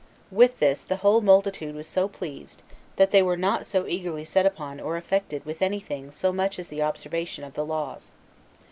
With this the whole multitude was so pleased, that they were not so eagerly set upon or affected with any thing so much as the observation of the laws.